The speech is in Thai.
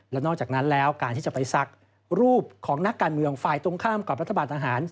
และนอกจากนั้นแล้วการที่จะไปซักรูปของนักการเมืองฝ่ายตรงข้ามกับรัฐบาลทหาร